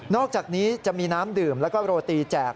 อกจากนี้จะมีน้ำดื่มแล้วก็โรตีแจก